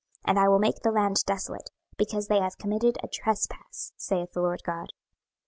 26:015:008 And I will make the land desolate, because they have committed a trespass, saith the Lord GOD.